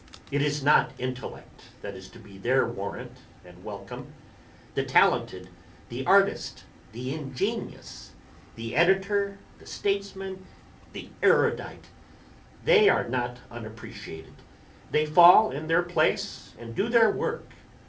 It is not intellect that is to be their warrant and welcome. The talented, the artist, the ingenious, the editor, the statesman, the erudite ... they are not unappreciated ... they fall in their place and do their work.